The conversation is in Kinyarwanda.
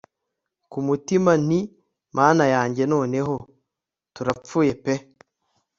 kumutima nti mana yanjye noneho turapfuye pe